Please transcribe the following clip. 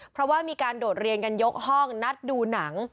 เพราะว่ามีการโดดเรียนกันยกห้องนัดดูหนัง